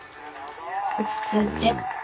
落ち着いて。